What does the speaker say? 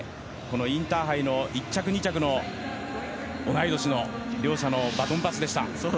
インターハイの１着、２着の同い年の両者のバトンパスでした。